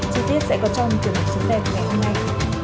chi tiết sẽ có trong trường hợp sống đẹp ngày hôm nay